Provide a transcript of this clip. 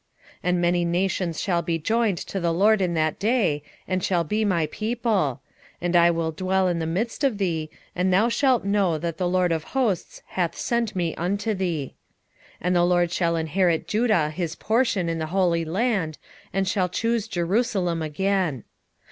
2:11 And many nations shall be joined to the LORD in that day, and shall be my people: and I will dwell in the midst of thee, and thou shalt know that the LORD of hosts hath sent me unto thee. 2:12 And the LORD shall inherit Judah his portion in the holy land, and shall choose Jerusalem again.